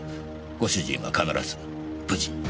ご主人は必ず無事に。